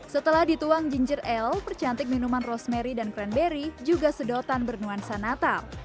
setelah dituang ginger el percantik minuman rosemary dan grandberry juga sedotan bernuansa natal